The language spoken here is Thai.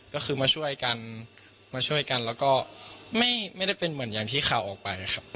ก็คือมาช่วยกันมาช่วยกันแล้วก็ไม่ได้เป็นเหมือนอย่างที่ข่าวออกไปครับ